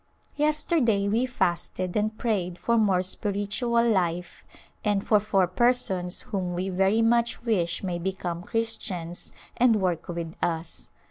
Yesterday we fasted and prayed for more spiritual life, and for four persons whom we very much wish may become Christians and work with us.